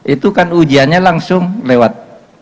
itu kan ujiannya langsung lewat